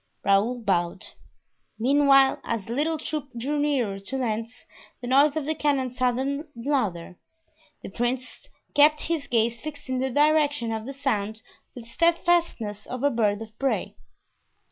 Raoul bowed. Meanwhile, as the little troop drew nearer to Lens, the noise of the cannon sounded louder. The prince kept his gaze fixed in the direction of the sound with the steadfastness of a bird of prey.